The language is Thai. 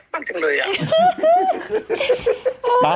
บ้างจังเลยอ่ะเออ